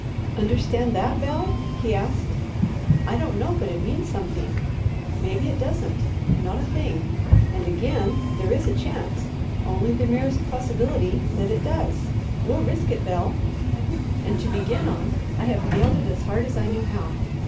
"Understand that, Bel?" he asked. "I don't know but it means something. Maybe it doesn't not a thing! And again, there is a chance only the merest possibility that it does. We'll risk it, Bel, and to begin on I have nailed it as hard as I knew how.